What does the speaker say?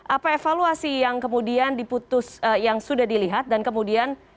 apa evaluasi yang kemudian diputus yang sudah dilihat dan kemudian